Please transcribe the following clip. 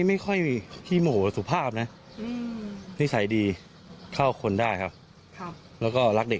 ไม่ค่อยมีขี้โมสุภาพนะนิสัยดีเข้าคนได้ครับแล้วก็รักเด็ก